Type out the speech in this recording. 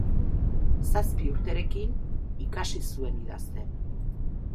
Zazpi urterekin ikasi zuen idazten.